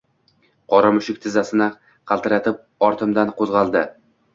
Qora mushuk tizzasini qaltiratib, ortimdan qo‘zg‘aldi